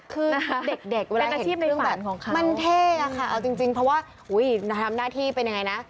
คือเด็กเวลาเห็นเครื่องแบบมันเท่ะค่ะเอาจริงเพราะว่าอุ๊ยทำหน้าที่เป็นยังไงนะ